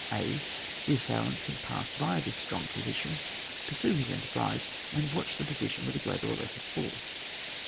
0. The assailant can pass by this strong position, pursue his enterprise, and watch the position with a greater or less force.